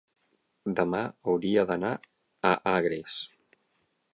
Demà hauria d'anar a Agres.